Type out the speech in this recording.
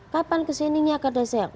kapan kesininya kata saya